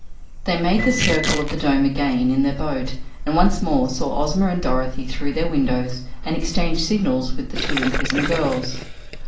They made the circle of the Dome again in their boat, and once more saw Ozma and Dorothy through their windows and exchanged signals with the two imprisoned girls.